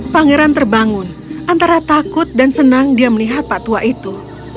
pangeran terbangun antara takut dan senang dia melihat pak tua itu